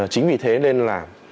chính vì thế nên là